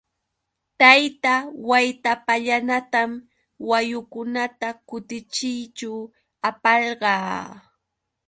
Tayta Waytapallanatam wayukunata kutichiyćhu apalqaa.